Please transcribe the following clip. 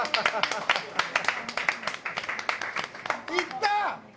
いった！